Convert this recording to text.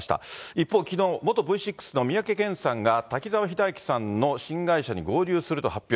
一方、きのう、元Ｖ６の三宅健さんが滝沢秀明さんの新会社に合流すると発表。